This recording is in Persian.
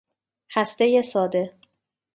هسته ساده